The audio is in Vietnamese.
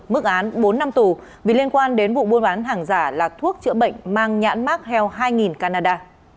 mức án bốn năm tù vì liên quan đến vụ buôn bán hàng giả là thuốc chữa bệnh mang nhãn mark health hai canada